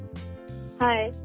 はい。